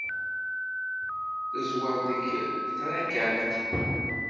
Teẓwer deg trakalt.